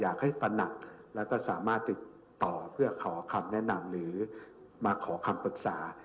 อยากให้ตระหนักแล้วก็สามารถติดต่อเพื่อขอคำแนะนำหรือมาขอคำปรับศาสตร์